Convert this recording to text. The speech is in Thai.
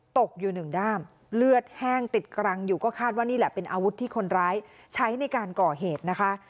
ตกอยู่หนึ่งด้ามเลือดแห้งติดกรังอยู่ก็คาดว่านี่แหละเป็นอาวุธที่คนร้ายใช้ในการก่อเหตุนะคะ